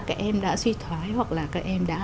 các em đã suy thoái hoặc là các em đã